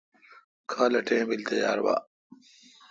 کھال ٹئم بل تیار با۔